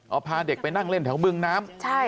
เอาพาเด็กไปนั่งเล่นแถวบึงน้ำ